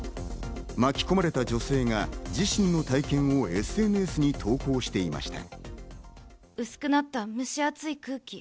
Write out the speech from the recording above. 巻き込まれた女性が自身の体験をＳＮＳに投稿していました。